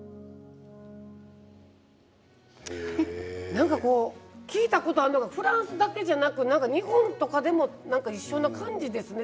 なんか聞いたことあるのがフランスだけじゃなくて日本とかでも一緒の感じですね